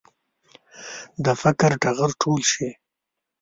د فقر ټغر ټول شي.